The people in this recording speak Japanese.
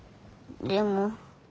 でも。